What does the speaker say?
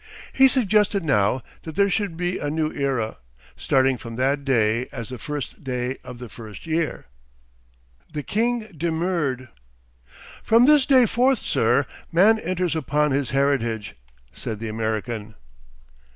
He suggested now that there should be a new era, starting from that day as the first day of the first year. The king demurred. 'From this day forth, sir, man enters upon his heritage,' said the American.